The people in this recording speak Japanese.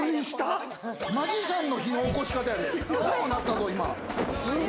マジシャンの火の起こし方やで。